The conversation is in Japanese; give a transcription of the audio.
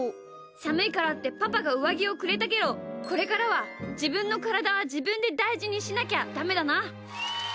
さむいからってパパがうわぎをくれたけどこれからはじぶんのからだはじぶんでだいじにしなきゃダメだな。